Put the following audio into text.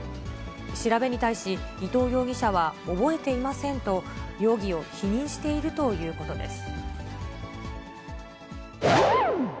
調べに対し、伊藤容疑者は覚えていませんと、容疑を否認しているということです。